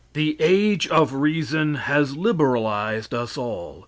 The "Age of Reason" has liberalized us all.